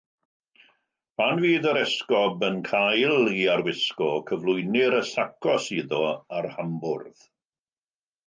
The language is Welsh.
Pan fydd yr esgob yn cael ei arwisgo, cyflwynir y "sakkos" iddo ar hambwrdd.